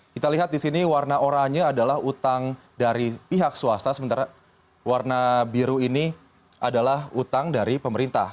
kita lihat di sini warna oranye adalah utang dari pihak swasta sementara warna biru ini adalah utang dari pemerintah